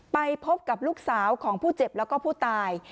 ไปพบกับลูกสาวของผู้เจ็บแล้วก็ผู้ตาย